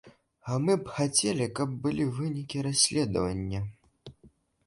Мы б хацелі, каб былі вынікі расследавання.